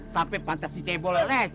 sampai pantas si cebo lecet